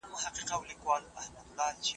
غصه کول د شیطان تر ټولو قوي وسله ده.